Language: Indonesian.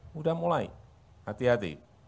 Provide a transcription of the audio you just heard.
sudah mulai hati hati